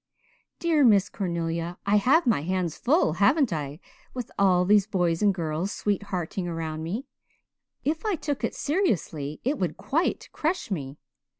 "Dear Miss Cornelia, I have my hands full, haven't I? with all these boys and girls sweethearting around me? If I took it seriously it would quite crush me.